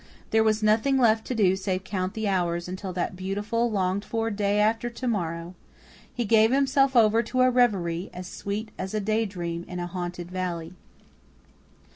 There was nothing left to do save count the hours until that beautiful, longed for day after to morrow. He gave himself over to a reverie, as sweet as a day dream in a haunted valley.